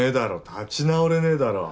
立ち直れねえだろ。